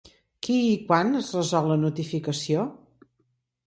Qui i quan es resol la notificació?